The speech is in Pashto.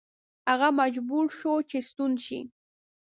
هغه مجبور شو چې ستون شي.